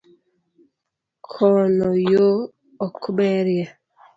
Kono yoo ok berie